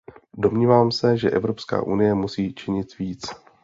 Domnívám se, že Evropská unie musí činit víc.